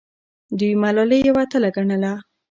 دوی ملالۍ یوه اتله ګڼي.